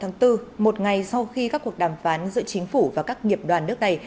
vào ngày hai mươi sáu tháng bốn một ngày sau khi các cuộc đàm phán giữa chính phủ và các nghiệp đoàn nước này